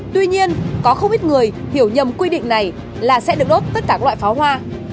tuy nhiên có không ít người hiểu nhầm quy định này là sẽ được đốt tất cả các loại pháo hoa